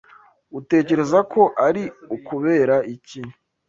Utekereza ko ari ukubera iki?